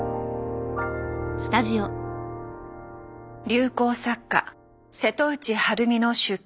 流行作家瀬戸内晴美の出家騒動。